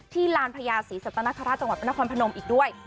ลานพญาศรีสัตนคราชจังหวัดพระนครพนมอีกด้วย